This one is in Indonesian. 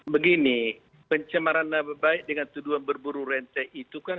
begini pencemaran nama baik dengan tuduhan berburu rente itu kan